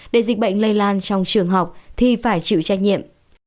để dịch bệnh lây lan trong trường học thì phải chịu trách nhiệm